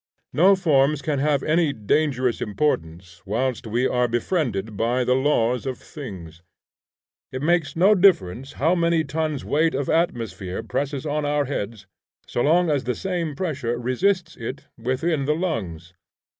No forms can have any dangerous importance whilst we are befriended by the laws of things. It makes no difference how many tons weight of atmosphere presses on our heads, so long as the same pressure resists it within the lungs.